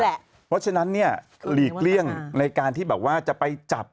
เพราะฉะนั้นเนี่ยหลีกเลี่ยงในการที่แบบว่าจะไปจับ